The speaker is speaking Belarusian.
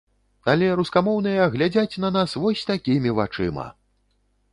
Але рускамоўныя глядзяць на нас вось такімі вачыма!